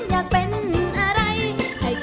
เธอได้บ้างบนเวทีแห่งนี้เต้นค่ะเต้นเหรอ